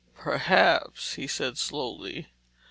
"Perhaps," he said slowly.